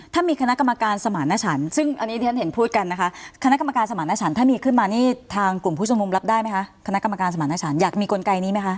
ถ้ามีคณะกรรมการสมารณชันซึ่งอันนี้ที่ฉันเห็นพูดกันนะคะคณะกรรมการสมารณชันถ้ามีขึ้นมานี่ทางกลุ่มผู้ชมนุมรับได้ไหมคะคณะกรรมการสมารณชันอยากมีกลไกนี้ไหมคะ